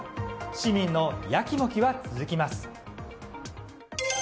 市民のやきもきは続きます。